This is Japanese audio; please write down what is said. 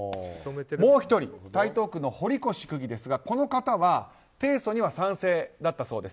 もう１人台東区の堀越区議ですがこの方は提訴には賛成だったそうです。